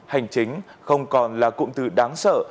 hành chính không còn là cụm từ đáng sợ